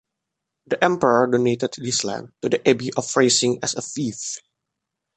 The emperor donated this land to the abbey of Freising as a fief.